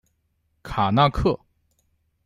卡那刻。